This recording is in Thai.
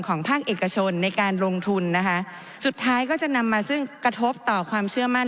ภาคเอกชนในการลงทุนนะคะสุดท้ายก็จะนำมาซึ่งกระทบต่อความเชื่อมั่น